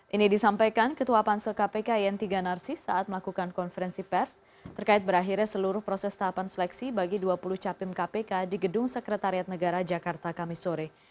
ini disampaikan ketua pansel kpk yenti ganarsi saat melakukan konferensi pers terkait berakhirnya seluruh proses tahapan seleksi bagi dua puluh capim kpk di gedung sekretariat negara jakarta kami sore